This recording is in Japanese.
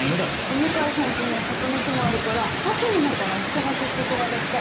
お向かいさんちには柿の木もあるから秋になったらお裾分けしてくれるって。